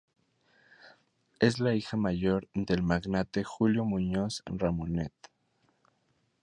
Es la hija mayor del magnate Julio Muñoz Ramonet.